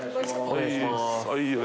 お願いします